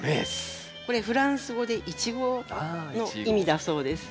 これフランス語でイチゴの意味だそうです。